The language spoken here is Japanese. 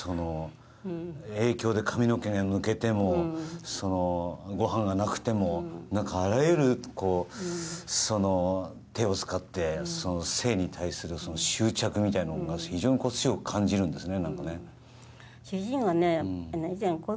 影響で、髪の毛が抜けてもごはんがなくてもあらゆる手を使って生に対する執着みたいなものを非常に強く感じるんですね。